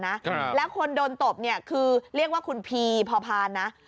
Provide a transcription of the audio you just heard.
ครับแล้วคนโดนตบเนี่ยคือเรียกว่าคุณพีพอพานนะ